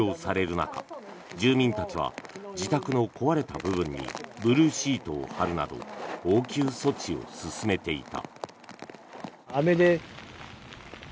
中住民たちは自宅の壊れた部分にブルーシートを張るなど応急措置を進めていた。